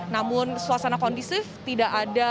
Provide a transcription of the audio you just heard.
namun suasana kondusif tidak ada